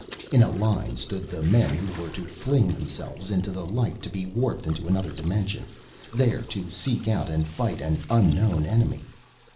In a line stood the men who were to fling themselves into the light to be warped into another dimension, there to seek out and fight an unknown enemy.